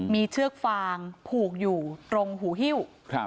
มีเชือกฟางผูกอยู่ตรงหูฮิ้ว